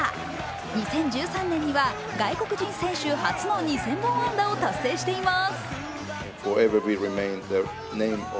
２０１３年には外国人選手初の２０００本安打を達成しています。